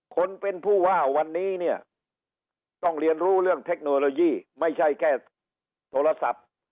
คนเป็นผู้ว่าวันนี้เนี่ยต้องเรียนรู้เรื่องเทคโนโลยีไม่ใช่แค่โทรศัพท์